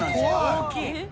大きい。